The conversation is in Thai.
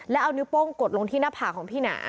แล้วเอานิ้วโป้งกดลงที่หน้าผากของพี่หนา